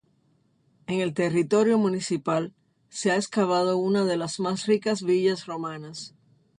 En el territorio municipal se ha excavado una de las más ricas villas romanas.